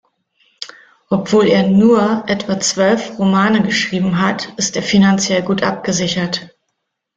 Obwohl er „nur“ etwa zwölf Romane geschrieben hat, ist er finanziell gut abgesichert.